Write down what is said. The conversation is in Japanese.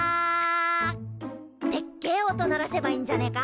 でっけえ音鳴らせばいいんじゃねえか？